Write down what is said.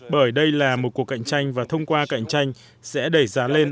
bởi đây là một cuộc cạnh tranh và thông qua cạnh tranh sẽ đẩy giá lên